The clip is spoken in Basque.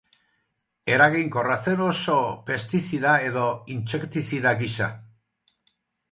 Eraginkorra zen oso pestizida edo intsektizida gisa.